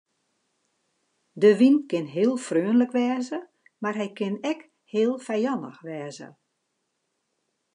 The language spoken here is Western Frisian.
De wyn kin heel freonlik wêze mar hy kin ek heel fijannich wêze.